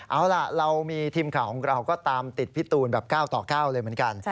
เอาล่ะเรามีทีมข่าวของเราก็ตามติดพี่ตูนแบบ๙ต่อ๙เลยเหมือนกัน